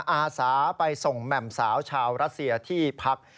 อาสาไปส่งแหม่มสาวชาวรัสเซียที่พัก